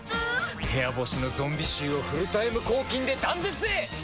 部屋干しのゾンビ臭をフルタイム抗菌で断絶へ！